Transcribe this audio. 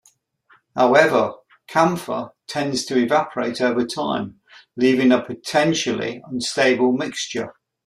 However, camphor tends to evaporate over time, leaving a potentially unstable mixture.